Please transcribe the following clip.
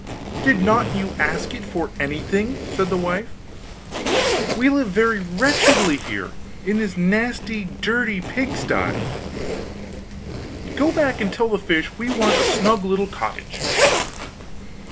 'Did not you ask it for anything?' said the wife, 'we live very wretchedly here, in this nasty dirty pigsty; do go back and tell the fish we want a snug little cottage.